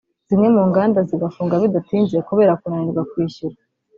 zimwe mu nganda zigafunga bidatinze kubera kunanirwa kwishyura